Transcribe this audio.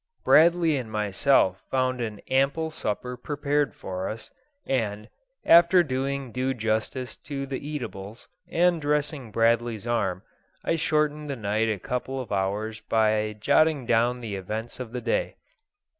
Bradley and myself found an ample supper prepared for us; and, after doing due justice to the eatables, and dressing Bradley's arm, I shortened the night a couple of hours by jotting down the events of the day.